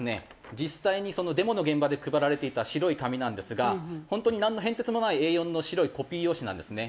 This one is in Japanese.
実際にそのデモの現場で配られていた白い紙なんですがホントになんの変哲もないＡ４の白いコピー用紙なんですね。